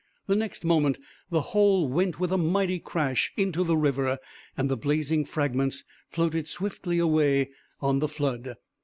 The next moment the whole went with a mighty crash into the river, and the blazing fragments floated swiftly away on the flood.